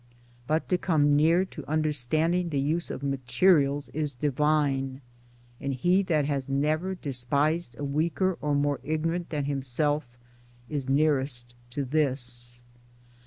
But to come near to understanding the use of materials is divine, and he that has never despised a weaker or more ignorant than himself is nearest to this.